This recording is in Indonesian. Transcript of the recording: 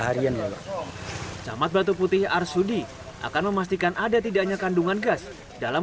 harian lalu camat batu putih arsudi akan memastikan ada tidak hanya kandungan gas dalam